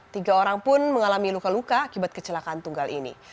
tiga orang pun mengalami luka luka akibat kecelakaan tunggal ini